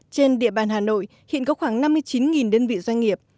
trên địa bàn hà nội hiện có khoảng năm mươi chín đơn vị doanh nghiệp